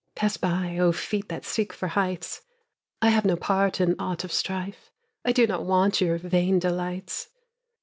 Pass by, oh, feet that seek for heights! I have no part in aught of strife; I do not want your vain delights.